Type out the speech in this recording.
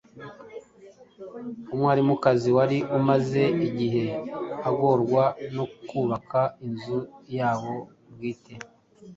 umwarimukazi wari umaze igihe agorwa no kubaka inzu yabo bwite